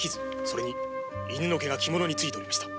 それに犬の毛が着物についてました。